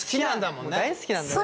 もう大好きなんだね。